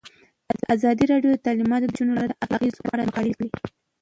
ازادي راډیو د تعلیمات د نجونو لپاره د اغیزو په اړه مقالو لیکلي.